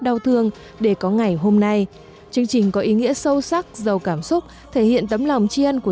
đau thương để có ngày hôm nay chương trình có ý nghĩa sâu sắc giàu cảm xúc thể hiện tấm lòng tri ân của